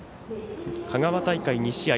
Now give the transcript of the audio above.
香川大会２試合